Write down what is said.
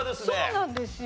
そうなんですよ。